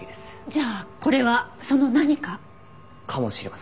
じゃあこれはその「何か」？かもしれません。